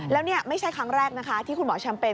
แล้วนี่ไม่ใช่ครั้งแรกนะคะที่คุณหมอแชมเป็น